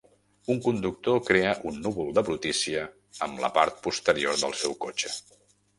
Un conductor crea un núvol de brutícia amb de la part posterior del seu cotxe.